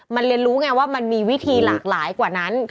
มันเรียนรู้ไงว่ามันมีวิธีหลากหลายกว่านั้น